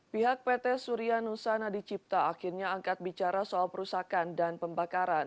pihak pt surianusana dicipta akhirnya angkat bicara soal perusakan dan pembakaran